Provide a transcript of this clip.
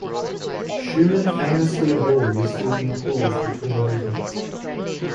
Schumann famously abhorred receiving applause between movements.